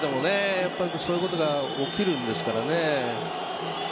やっぱりそういうことが起きるんですからね。